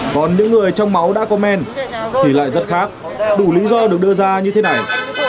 còn những người trong máu đã có men thì lại rất khác đủ lý do được đưa ra như thế này